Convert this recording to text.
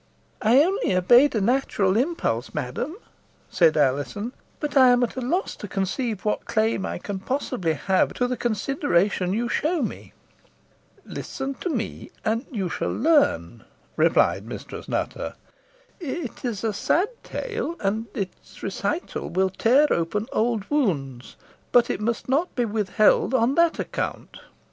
"I only obeyed a natural impulse, madam," said Alizon; "but I am at a loss to conceive what claim I can possibly have to the consideration you show me." "Listen to me, and you shall learn," replied Mistress Nutter. "It is a sad tale, and its recital will tear open old wounds, but it must not be withheld on that account.